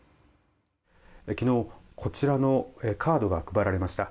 昨日、こちらのカードが配られました。